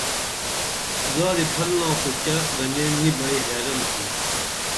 زادی پھلنا خو کیہ گنین نی بئی حیرن تُھم